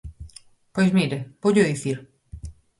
Pois mire, voullo dicir.